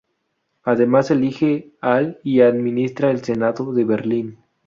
Además elije al y administra al Senado de Berlín.